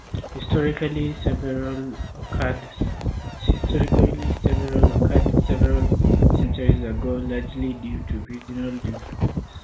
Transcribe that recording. Historically several occurred several centuries ago, largely due to regional differences.